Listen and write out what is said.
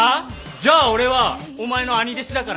じゃあ俺はお前の兄弟子だからな。